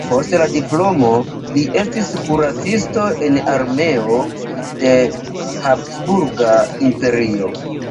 Post la diplomo li estis kuracisto en armeo de Habsburga Imperio.